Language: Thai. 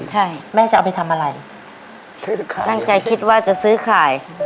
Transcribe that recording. ใช่แม่จะเอาไปทำอะไรตั้งใจคิดว่าจะซื้อขาย